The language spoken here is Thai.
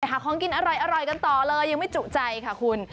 หาของกินอร่อยกันต่อเลยยังไม่จุใจค่ะคุณ